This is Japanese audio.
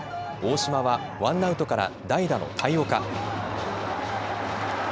大島はワンアウトから代打の体岡。